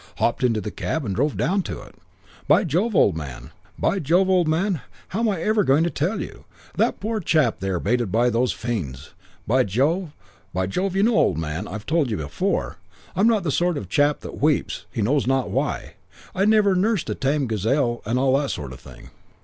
Hopped into the cab and drove down to it. "By Jove, old man.... By Jove, old man, how I'm ever going to tell you. That poor chap in there baited by those fiends.... By Jove.... By Jove.... You know, old man, I've told you before, I'm not the sort of chap that weeps, he knows not why; I never nursed a tame gazelle and all that sort of thing.